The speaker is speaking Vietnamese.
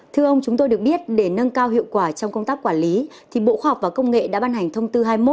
thưa ông chúng tôi được biết để nâng cao hiệu quả trong công tác quản lý thì bộ khoa học và công nghệ đã ban hành thông tư hai mươi một